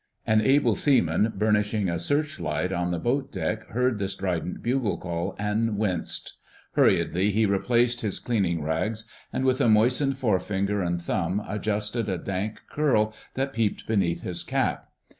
An Able Seaman burnishing a search light on the boat deck heard the strident bugle call and winced. Hurriedly he replaced his cleaning rags, and with a moistened forefinger and thumb adjusted a dank curl that peeped beneath his cap.